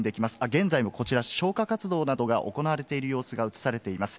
現在もこちら、消火活動などが行われている様子が写されています。